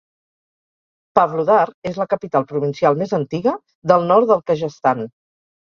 Pavlodar és la capital provincial més antiga del nord del Kazakhstan.